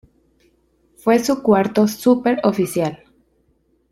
Fue su cuarto "super" oficial.